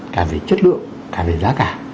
cả về chất lượng cả về giá cả